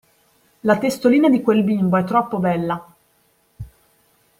La testolina di quel bimbo è troppo bella!